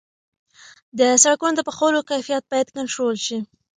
د سرکونو د پخولو کیفیت باید کنټرول شي.